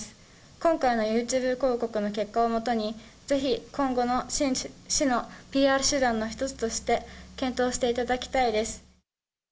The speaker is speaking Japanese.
今回のユーチューブ広告の結果をもとに、ぜひ今後の市のＰＲ手段の一つとして、検討していただきたいです。